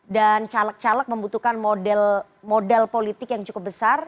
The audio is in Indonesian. dan caleg caleg membutuhkan model politik yang cukup besar